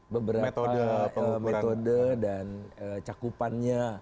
beberapa metode dan cakupannya